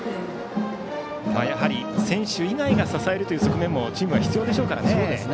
やはり選手以外が支える側面もチームには必要でしょうからね。